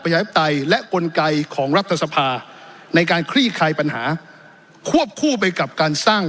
ปไตยและกลไกของรัฐสภาในการคลี่คลายปัญหาควบคู่ไปกับการสร้าง